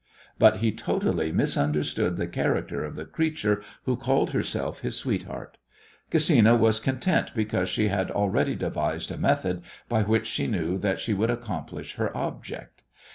But he totally misunderstood the character of the creature who called herself his sweetheart. Gesina was content because she had already devised a method by which she knew that she would accomplish her object.